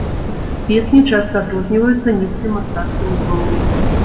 Песні часта адрозніваюцца нізкім мастацкім узроўнем.